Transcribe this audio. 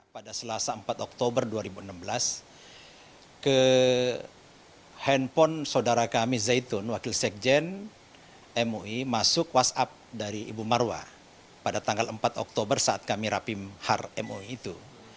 pada selasa empat oktober dua ribu enam belas ke handphone saudara kami zaitun wakil sekjen mui masuk whatsapp dari ibu marwah pada tanggal empat oktober saat kami rapim harmo itu